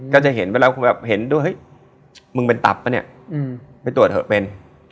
ก็จะเห็นเวลาเห็นด้วยเฮ้ยมึงเป็นตับป่ะเนี่ยไปตรวจเถอะเป็น